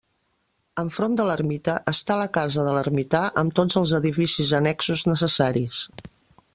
Enfront de l'ermita està la casa de l'ermità amb tots els edificis annexos necessaris.